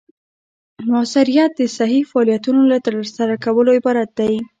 مؤثریت د صحیح فعالیتونو له ترسره کولو عبارت دی.